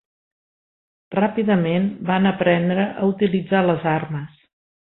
Ràpidament van aprendre a utilitzar les armes.